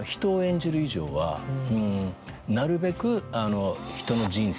なるべく。